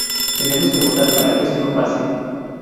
Tenemos que votar para que esto no pase.